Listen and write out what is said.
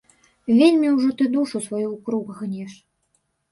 Вельмі ўжо ты душу сваю ў крук гнеш.